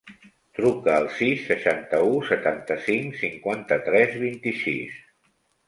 Truca al sis, seixanta-u, setanta-cinc, cinquanta-tres, vint-i-sis.